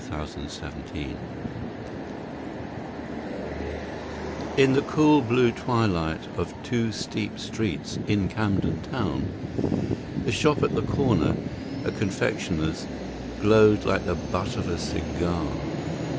The Invisible Man In the cool blue twilight of two steep streets in Camden Town, the shop at the corner, a confectioner's, glowed like the butt of a cigar.